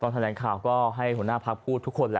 ตอนแท้แรงข่าวก็ให้หัวหน้าภาคพูดทุกคนและนะ